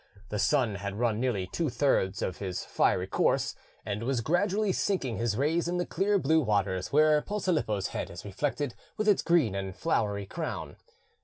The sun had run nearly two thirds of his fiery course, and was gradually sinking his rays in the clear blue waters where Posilippo's head is reflected with its green and flowery crown.